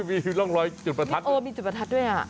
มีร่องร้อยจุดประทัด